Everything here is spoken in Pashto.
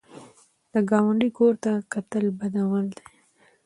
د ګاونډي کور ته کتل بد عمل دی